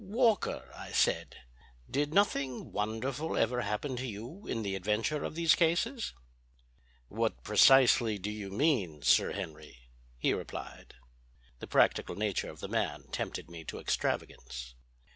"Walker," I said, "did nothing wonderful ever happen to you in the adventure of these cases?" "What precisely do you mean, Sir Henry?" he replied. The practical nature of the man tempted me to extravagance.